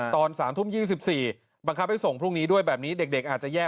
ตอน๓ทุ่ม๒๔บังคับให้ส่งพรุ่งนี้ด้วยแบบนี้เด็กอาจจะแย่